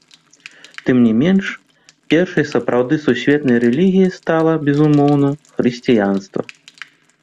Тым не менш, першай сапраўды сусветнай рэлігіяй стала, безумоўна, хрысціянства.